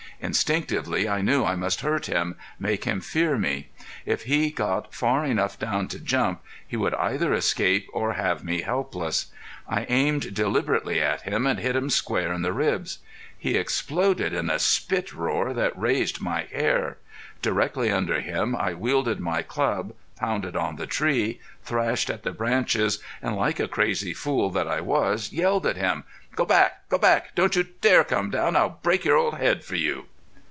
Instinctively I knew I must hurt him make him fear me. If he got far enough down to jump, he would either escape or have me helpless. I aimed deliberately at him, and hit him square in the ribs. He exploded in a spit roar that raised my hair. Directly under him I wielded my club, pounded on the tree, thrashed at the branches and, like the crazy fool that I was, yelled at him: "Go back! Go back! Don't you dare come down! I'd break your old head for you!"